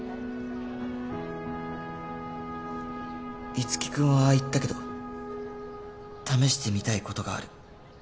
いつき君はああ言ったけど試してみたいことがある